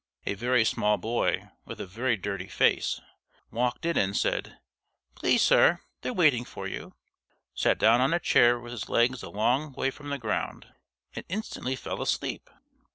A very small boy, with a very dirty face, walked in, said: "Please, sir, they're waiting for you," sat down on a chair with his legs a long way from the ground, and instantly fell asleep!